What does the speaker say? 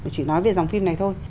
chỉ nói về dòng phim này thôi